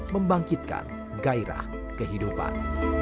membangkitkan gairah kehidupan